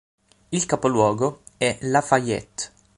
Il capoluogo è Lafayette.